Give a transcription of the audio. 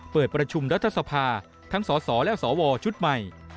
เปิดประชุมรัฐสภาทั้งสสและสวชุดใหม่